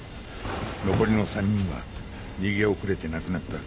残りの３人は逃げ遅れて亡くなった。